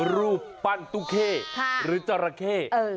รูปปั้นตุ๊กเข้หรือจราเข้